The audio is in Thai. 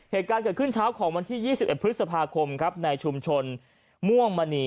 เหตุการณ์เกิดขึ้นเช้าของวันที่๒๑พฤษภาคมครับในชุมชนม่วงมณี